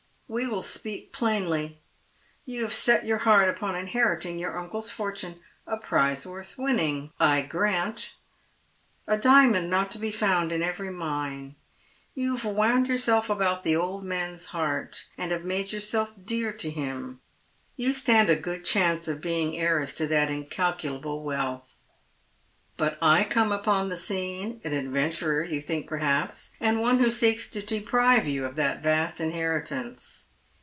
We will speak plainly. You have set your heart upon inheriting your uncle's fortune, a prize worth winning, I grant — a diamond not to be found in every mine. You have wound yourself about the old man's heart, and have made yourself dear to him. You stand a good chance of being heiress to that incalculable wealth. But I come upon the scene, an adventurer, you think, perhaps, and one who seeks to deprive you of that vast inheritance.